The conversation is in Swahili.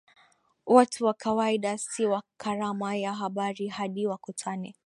Watu wa kawaida si wa karama ya habari hadi wakutane